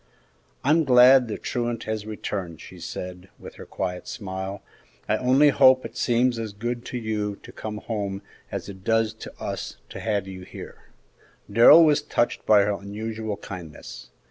"I'm glad the truant has returned," she said, with her quiet smile; "I only hope it seems as good to you to come home as it does to us to have you here!" Darrell was touched by her unusual kindness.